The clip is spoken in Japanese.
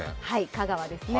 香川ですね。